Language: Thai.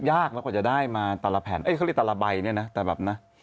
ยากแล้วก็จะได้มาตลาดใบแต่แบบนั้น